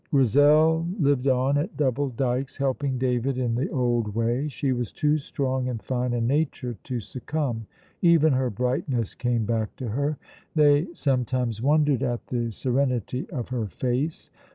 Grizel lived on at Double Dykes, helping David in the old way. She was too strong and fine a nature to succumb. Even her brightness came back to her. They sometimes wondered at the serenity of her face.